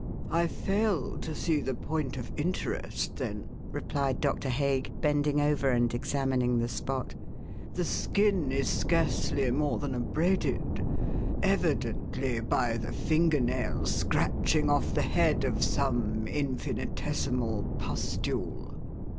"I fail to see the point of interest, then," replied Doctor Hague, bending over and examining the spot. "The skin is scarcely more than abraded evidently by the finger nail scratching off the head of some infinitesimal pustule."